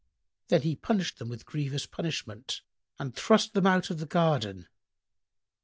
Then he punished them with grievous punishment and thrust them out of the garden.